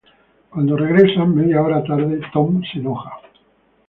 Cuando regresan media hora tarde, Tom se enoja.